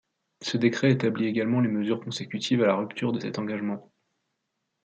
Ce décret établit également les mesures consécutives à la rupture de cet engagement.